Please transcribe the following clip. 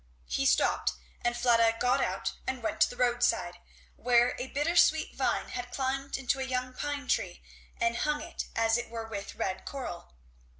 He stopped, and Fleda got out and went to the roadside, where a bittersweet vine had climbed into a young pine tree and hung it as it were with red coral.